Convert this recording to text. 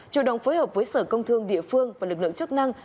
chủ động phối hợp với sở công thương địa phương và lực lượng chức năng